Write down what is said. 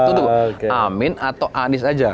tuh tuh amin atau anis aja